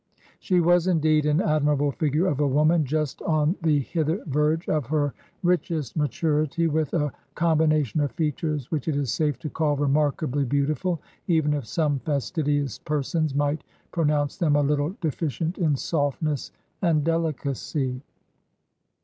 She was, indeed, an admirable figure of a woman, just on the hither verge of her richest maturity, with a com bination of features which it is safe to call remarkably beautiful, even if some fastidious persons might pro nounce them a little deficient in softness and delicacy."